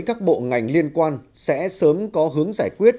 các bộ ngành liên quan sẽ sớm có hướng giải quyết